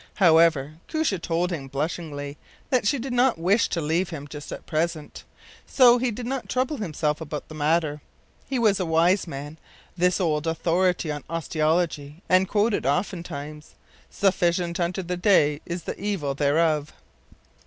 However, Koosje told him blushingly that she did not wish to leave him just at present; so he did not trouble himself about the matter. He was a wise man, this old authority on osteology, and quoted oftentimes, “Sufficient unto the day is the evil thereof.